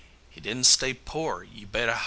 "He didn't stay poar, you bet a hoss!"